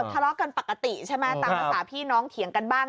ทะเลาะกันปกติใช่ไหมตามภาษาพี่น้องเถียงกันบ้าง